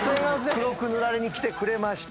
黒く塗られに来てくれました。